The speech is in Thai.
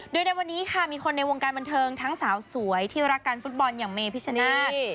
โดยในวันนี้ค่ะมีคนในวงการบันเทิงทั้งสาวสวยที่รักการฟุตบอลอย่างเมพิชนาธิ์